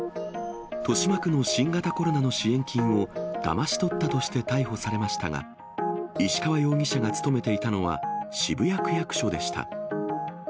豊島区の新型コロナの支援金をだまし取ったとして逮捕されましたが、石川容疑者が勤めていたのは渋谷区役所でした。